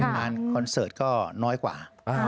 งานคอนเสิร์ตก็น้อยกว่า